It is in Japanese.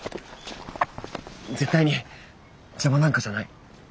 絶対に邪魔なんかじゃない。